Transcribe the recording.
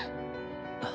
あっ。